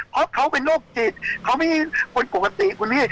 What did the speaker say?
เพราะเขาเป็นโรคจิตเขาไม่ใช่คนปกติคุณพี่